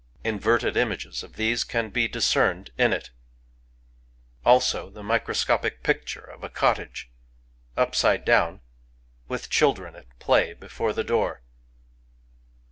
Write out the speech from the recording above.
Inverted images of these can be discerned in it, — also the microscopic picture of a cottage, upside down, with children at play before the door.